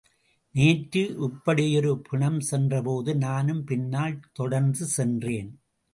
நேற்று இப்படியொரு பிணம் சென்றபோது நானும் பின்னால் தொடர்ந்து சென்றேன்.